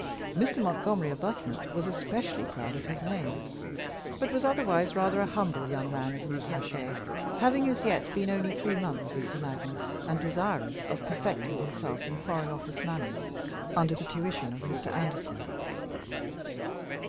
Mr. Montgomery Arbuthnot was especially proud of his name, but was otherwise rather a humble young man as an attaché, having as yet been only three months with Sir Magnus, and desirous of perfecting himself in Foreign Office manners under the tuition of Mr. Anderson.